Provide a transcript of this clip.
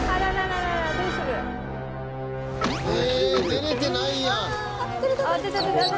出れてないやん。